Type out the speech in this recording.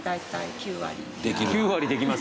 ９割できます？